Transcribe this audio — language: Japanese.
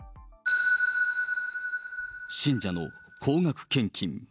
信者の高額献金。